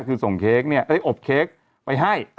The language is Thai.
คือส่งเค้กเนี่ยได้อบเค้กไปให้